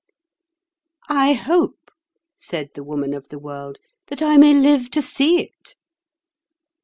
"I hope," said the Woman of the World, "that I may live to see it."